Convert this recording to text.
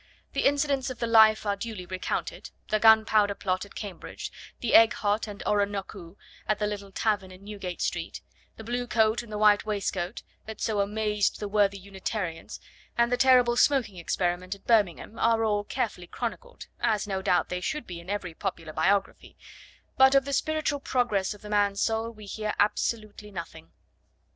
The incidents of the life are duly recounted; the gunpowder plot at Cambridge, the egg hot and oronokoo at the little tavern in Newgate Street, the blue coat and white waistcoat that so amazed the worthy Unitarians, and the terrible smoking experiment at Birmingham are all carefully chronicled, as no doubt they should be in every popular biography; but of the spiritual progress of the man's soul we hear absolutely nothing.